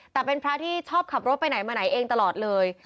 แต่เป็นพระที่ชอบขับรถไปไหนมาไหนเองตลอดเลย